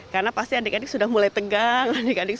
karena pasti adik adik sudah mulai tegang